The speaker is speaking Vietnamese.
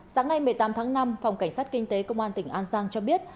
sáng nay một mươi tám tháng năm phòng cảnh sát kinh tế công an tỉnh an giang cho biết